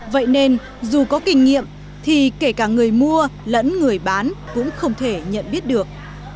vậy nên dù có kinh nghiệm thì kể cả người mua lẫn người bán cũng không thể nhận biết được